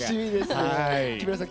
木村さん